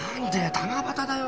七夕だよ？